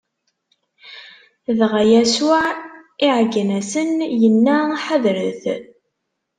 Dɣa Yasuɛ iɛeggen-asen, inna: Ḥadret!